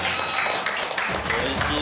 おいしい。